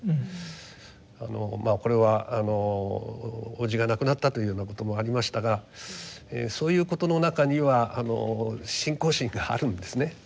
まあこれは叔父が亡くなったというようなこともありましたがそういうことの中には信仰心があるんですね。